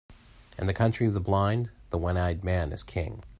In the country of the blind, the one-eyed man is king.